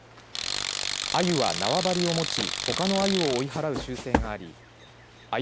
あゆは縄張りを持ちほかのあゆを追い払う習性がありあゆ